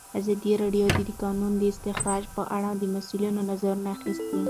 ازادي راډیو د د کانونو استخراج په اړه د مسؤلینو نظرونه اخیستي.